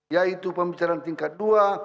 yaitu pembicaraan tingkat dua